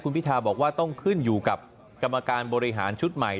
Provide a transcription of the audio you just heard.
พิทาบอกว่าต้องขึ้นอยู่กับกรรมการบริหารชุดใหม่